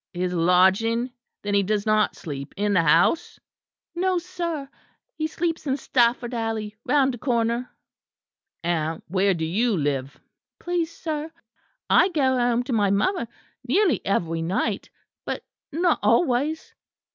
"His lodging? Then he does not sleep in the house?" "No sir; he sleeps in Stafford Alley, round the corner." "And where do you live?" "Please, sir, I go home to my mother nearly every night; but not always."